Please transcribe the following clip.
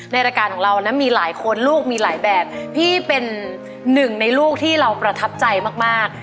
รายการของเรานะมีหลายคนลูกมีหลายแบบพี่เป็นหนึ่งในลูกที่เราประทับใจมากมาก